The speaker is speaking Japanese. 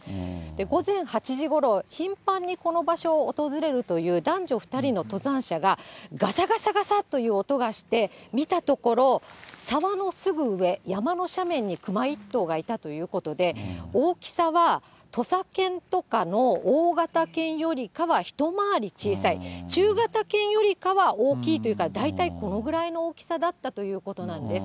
午前８時ごろ、頻繁にこの場所を訪れるという男女２人の登山者が、がさがさがさっという音がして、見たところ、沢のすぐ上、山の斜面にクマ１頭がいたということで、大きさは土佐犬とかの大型犬よりかはひと回り小さい、中型犬よりかは大きいというから、大体このぐらいの大きさだったということなんです。